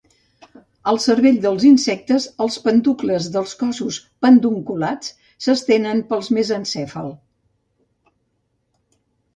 Al cervell dels insectes, els peduncles dels cossos pendunculats s'estenen pel mesencèfal.